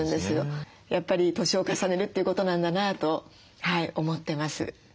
やっぱり年を重ねるっていうことなんだなと思ってます。